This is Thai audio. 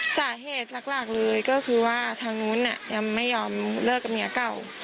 สาเหตุหลักเลยก็คือว่าทางนู้นยังไม่ยอมเลิกกับเมียเก่า